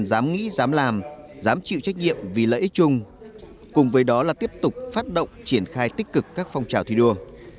dám nghĩ dám làm dám chịu trách nhiệm vì lợi ích chung cùng với đó là tiếp tục phát động triển khai tích cực các phong trào thi đua